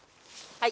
はい